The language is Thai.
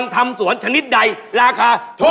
ปัญหาเยอะหรอ